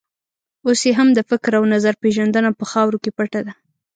اوس یې هم د فکر او نظر پېژندنه په خاورو کې پټه ده.